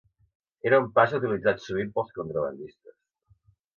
Era un pas utilitzat sovint pels contrabandistes.